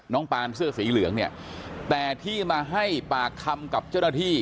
ปานเสื้อสีเหลืองเนี่ยแต่ที่มาให้ปากคำกับเจ้าหน้าที่